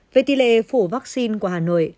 về tỷ lệ phủ vaccine của hà nội